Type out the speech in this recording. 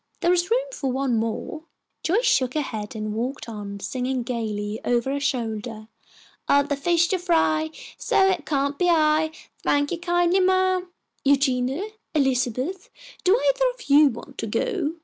"There is room for one more." Joyce shook her head and walked on, singing gaily, over her shoulder, "Other fish to fry, so it can't be I. Thank you kindly, ma'am!" "Eugenia, Elizabeth, do either of you want to go?"